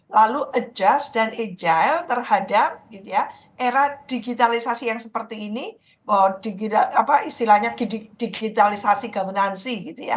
lalu adjust dan agile terhadap era digitalisasi yang seperti ini istilahnya digitalisasi governansi